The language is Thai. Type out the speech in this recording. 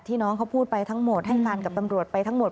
น้องเขาพูดไปทั้งหมดให้การกับตำรวจไปทั้งหมด